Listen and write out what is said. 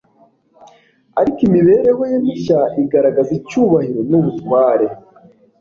ariko imibereho ye mishya igaragaza icyubahiro n’ubutware